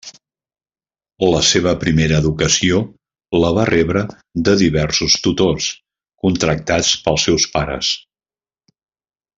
La seva primera educació la va rebre de diversos tutors contractats pels seus pares.